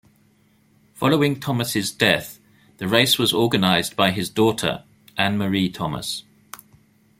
Following Thomas' death, the race was organized by his daughter, Anne-Marie Thomas.